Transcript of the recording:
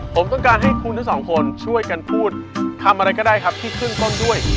ผมต้องการให้คุณทั้งสองคนช่วยกันพูดทำอะไรก็ได้ครับที่ขึ้นต้นด้วย